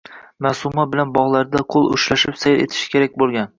— Maʼsuma bilan bogʼlarda qoʼl ushlashib sayr etishi kerak boʼlgan